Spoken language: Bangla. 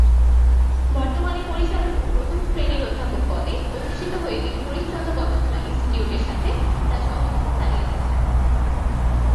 বর্তমানে পরিচালক ও প্রথম শ্রেণির অধ্যাপক পদে অধিষ্ঠিত হয়ে তিনি হরিশ-চন্দ্র গবেষণা ইনস্টিটিউটের সাথে তার সহযোগিতা চালিয়ে যাচ্ছেন।